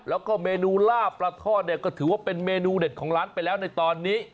แล้วก็เมนูล่าปลาทอดเนี่ยก็ถือว่าเป็นเมนูเด็ดของร้านไปแล้วในตอนนี้